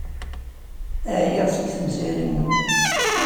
Ɛyiɣ seg temsirin-nwen.